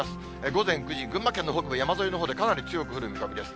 午前９時、群馬県の北部、山沿いのほうでかなり強く降る見込みです。